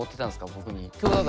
僕に。